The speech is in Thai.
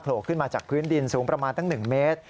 ขึ้นมาจากพื้นดินสูงประมาณตั้ง๑เมตร